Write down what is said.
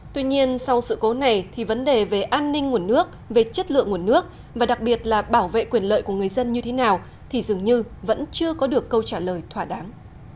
tuy nhiên sau sự cố này thì vấn đề về an ninh nguồn nước về chất lượng nguồn nước và đặc biệt là bảo vệ quyền lợi của người dân như thế nào thì dường như vẫn chưa có được câu trả lời thỏa đáng